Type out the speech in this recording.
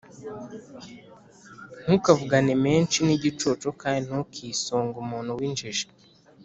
Ntukavugane menshi n’igicucu, kandi ntukisunge umuntu w’injiji.